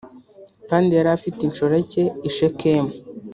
kandi yari afite inshoreke i shekemu